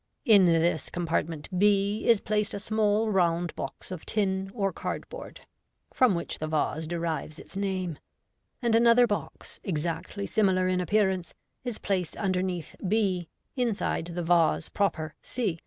In this compartment b is placed a small round box of tin or cardboard (from which the vase derives its name), and another box, exactly similar in appearance, is placed underneath b, inside the vase proper c.